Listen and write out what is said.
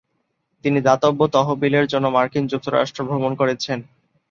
তিনি দাতব্য তহবিলের জন্য মার্কিন যুক্তরাষ্ট্র ভ্রমণ করেছেন।